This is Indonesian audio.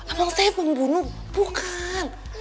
emang saya pembunuh bukan